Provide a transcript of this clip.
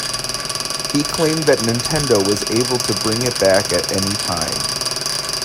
He claimed that Nintendo was able to bring it back at any time.